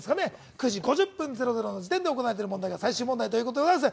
９時５０分００で行われている問題が最終問題となります。